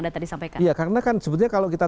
anda tadi sampaikan iya karena kan sebetulnya kalau kita